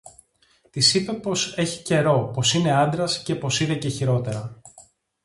Της είπε πως έχει καιρό, πως είναι άντρας, και πως είδε και χειρότερα